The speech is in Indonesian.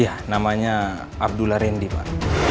iya namanya abdullah randy pak